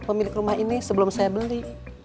pemilik rumah ini sebelum saya beli